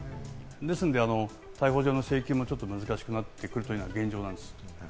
ですので、逮捕状の請求はちょっと難しくなってくるのが現状です。